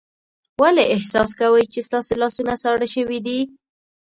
ولې احساس کوئ چې ستاسو لاسونه ساړه شوي دي؟